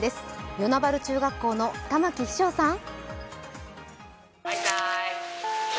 与那原中学校の玉城陽丞さん。